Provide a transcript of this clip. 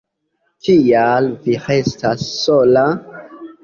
Kial vi restas sola?